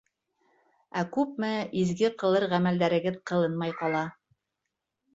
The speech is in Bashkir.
Ә күпме изге ҡылыр ғәмәлдәрегеҙ ҡылынмай ҡала.